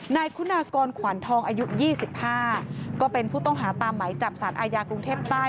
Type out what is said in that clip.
นายคุณากรขวัญทองอายุ๒๕ก็เป็นผู้ต้องหาตามไหมจับสารอาญากรุงเทพใต้